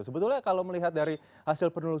sebetulnya kalau melihat dari hasil penelusuran